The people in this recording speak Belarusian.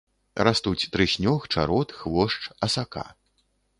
Растуць трыснёг, чарот, хвошч, асака.